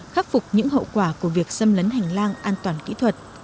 khắc phục những hậu quả của việc xâm lấn hành lang an toàn kỹ thuật